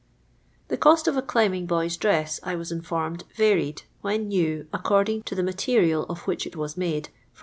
The cost of a climbing boy's dress, I was iii* formed, varied, when new, according to the mate rial of which it was made, from 3^.